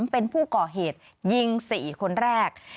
เป็นผู้ก่อเหตุยิง๔คนแรก